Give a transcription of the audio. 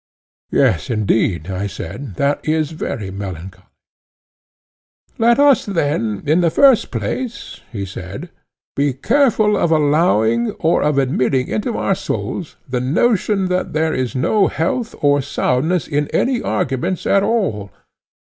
Yes, indeed, I said; that is very melancholy. Let us then, in the first place, he said, be careful of allowing or of admitting into our souls the notion that there is no health or soundness in any arguments at all.